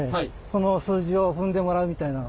その数字を踏んでもらうみたいな。